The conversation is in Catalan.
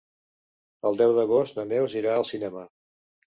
El deu d'agost na Neus anirà al cinema.